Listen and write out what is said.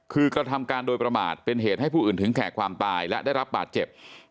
คือกระทำการโดยประมาทเป็นเหตุให้ผู้อื่นถึงแก่ความตายและได้รับบาดเจ็บ